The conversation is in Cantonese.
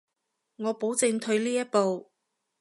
我保證退呢一步